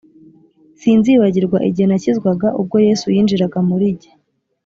Sinzibagirw' igihe nakizwaga, Ubwo Yesu yinjiraga muri jye.